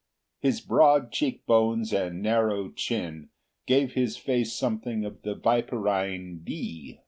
His broad cheekbones and narrow chin gave his face something of the viperine V.